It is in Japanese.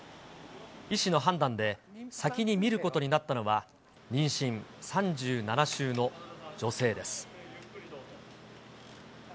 医師の判断で、先に診ることになったのは妊娠３７週の女性です。